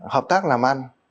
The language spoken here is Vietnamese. hợp tác làm ăn